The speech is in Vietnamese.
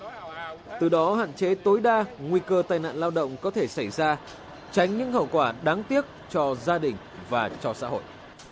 từ đó hạn chế tối đa nguy cơ tai nạn lao động có thể xảy ra tránh những hậu quả đáng tiếc cho gia đình và cho xã hội